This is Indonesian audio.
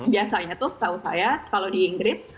biasanya tuh setahu saya kalau di inggris